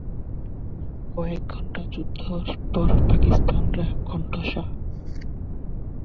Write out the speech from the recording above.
কয়েক ঘণ্টা যুদ্ধের পর পাকিস্তানিরা কোণঠাসা।